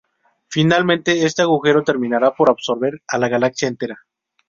Finalmente, este agujero terminará por absorber a la galaxia entera.